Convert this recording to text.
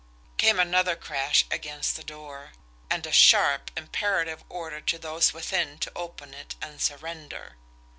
Came another crash against the door and a sharp, imperative order to those within to open it and surrender.